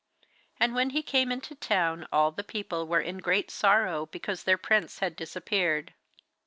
And when he came into the town all the people were in great sorrow because their prince had disappeared.